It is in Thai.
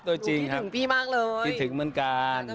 จริงคิดถึงพี่มากเลยคิดถึงเหมือนกัน